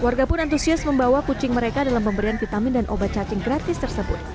warga pun antusias membawa kucing mereka dalam pemberian vitamin dan obat cacing gratis tersebut